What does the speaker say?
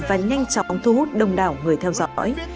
và nhanh chóng thu hút đông đảo người theo dõi